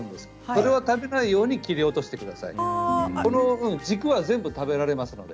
それは食べないように切り落としてください。